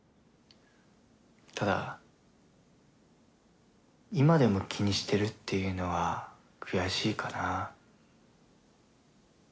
ただ今でも気にしてるっていうのは悔しいかなぁ。